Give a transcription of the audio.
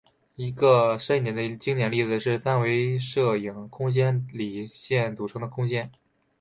一个深一点的经典例子是三维射影空间里线组成的空间。